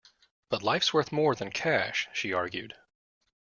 But life's worth more than cash, she argued.